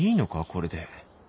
これで